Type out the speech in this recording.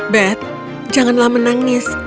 beth janganlah menangis